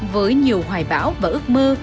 với nhiều hoài bão và ước mơ